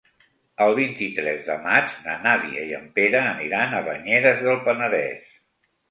El vint-i-tres de maig na Nàdia i en Pere aniran a Banyeres del Penedès.